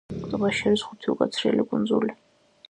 ტბაში არის ხუთი უკაცრიელი კუნძული.